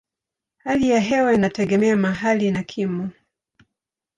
Hali ya hewa inategemea mahali na kimo.